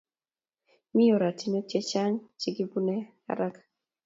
Mi oratunwek chechang che kepimane haraka